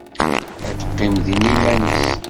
Ad teqqim din iman-is.